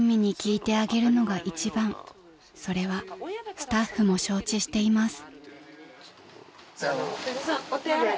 ［それはスタッフも承知しています］